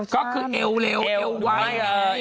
ก็คือเอวเร็วเอวไว้เลย